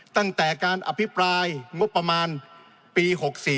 ตั้งแต่การอภิปรายงบประมาณปี๖๔